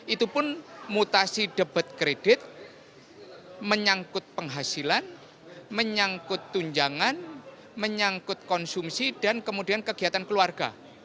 itu pun mutasi debat kredit menyangkut penghasilan menyangkut tunjangan menyangkut konsumsi dan kemudian kegiatan keluarga